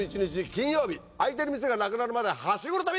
金曜日開いてる店がなくなるまでハシゴの旅！